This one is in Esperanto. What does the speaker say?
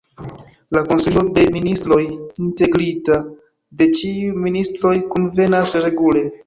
La Konsilio de Ministroj, integrita de ĉiuj ministroj, kunvenas regule.